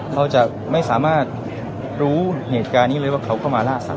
เขาจะไม่สามารถรู้เหตุการณ์นี้เลยว่าเขาเข้ามาล่าสัตว